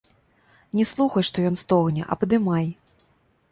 Не слухай, што ён стогне, а падымай.